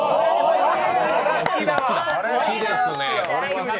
好きですね。